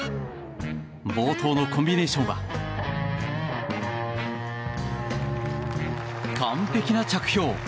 冒頭のコンビネーションは完璧な着氷。